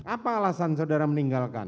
apa alasan saudara meninggalkan